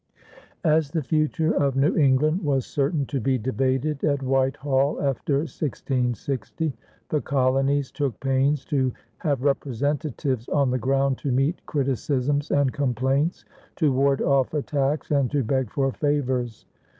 As the future of New England was certain to be debated at Whitehall after 1660, the colonies took pains to have representatives on the ground to meet criticisms and complaints, to ward off attacks, and to beg for favors.